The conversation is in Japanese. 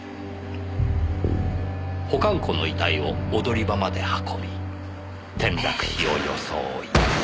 保管庫の遺体を踊り場まで運び転落死を装い。